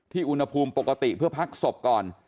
อุณหภูมิปกติเพื่อพักศพก่อน